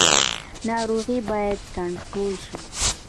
ناروغي باید کنټرول شي